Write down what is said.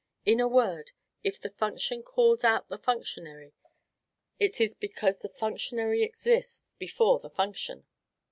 In a word, if the function calls out the functionary, it is because the functionary exists before the function.